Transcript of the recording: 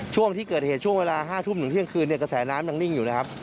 ช่วงที่เกิดเหตุช่วงเวลา๕ทุ่มถึงเที่ยงคืนเนี่ยกระแสน้ำยังนิ่งอยู่นะครับ